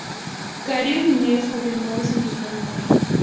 Carlos Linnaeus confirmó ese mismo nombre.